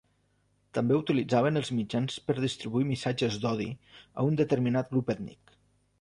També utilitzaven els mitjans per distribuir missatges d'odi a un determinat grup ètnic.